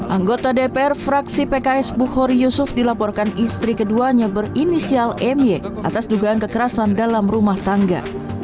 anggota dpr fraksi pks bukhori yusuf dilaporkan istri keduanya berinisial my atas dugaan kekerasan dalam rumah tangga